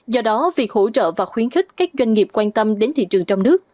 do đó việc hỗ trợ và khuyến khích các doanh nghiệp quan tâm đến thị trường trong nước